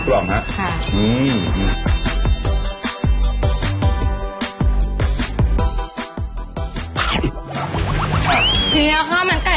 จริงค่ะมันไก่คืออร่อยมาก